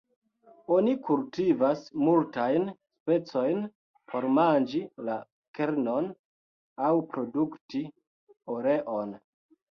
Oni kultivas multajn specojn por manĝi la kernon aŭ produkti oleon.